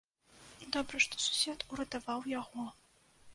Добра, што сусед уратаваў яго.